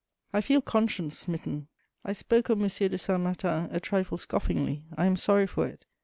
I feel conscience smitten: I spoke of M. de Saint Martin a trifle scoffingly; I am sorry for it.